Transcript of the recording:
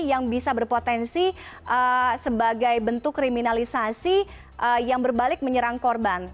yang bisa berpotensi sebagai bentuk kriminalisasi yang berbalik menyerang korban